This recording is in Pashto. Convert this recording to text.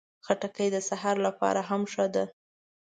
خټکی د سهار لپاره هم ښه ده.